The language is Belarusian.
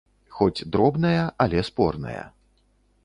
Хоць дробная, але спорная.